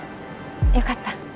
よかった！